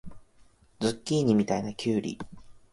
ズッキーニみたいなきゅうり